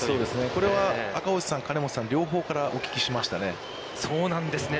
これは赤星さん、金本さん、両方からお聞きしましたね。